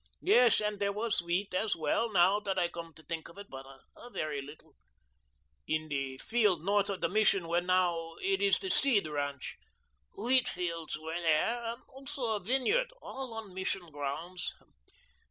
Yes, and there was wheat as well, now that I come to think; but a very little in the field north of the Mission where now it is the Seed ranch; wheat fields were there, and also a vineyard, all on Mission grounds.